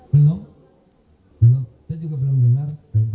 belum belum saya juga belum dengar